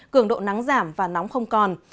cường độ nắng giảm và nóng không còn